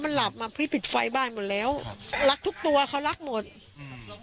มันหลับอ่ะพี่ปิดไฟบ้านหมดแล้วครับรักทุกตัวเขารักหมดอืม